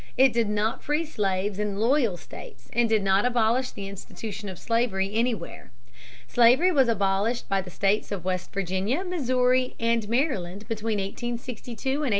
It did not free slaves in loyal states and did not abolish the institution of slavery anywhere. Slavery was abolished by the states of West Virginia, Missouri, and Maryland between 1862 and 1864.